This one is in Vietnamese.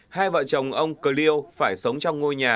hai vợ chồng ông clio phải sống trong ngôi nhà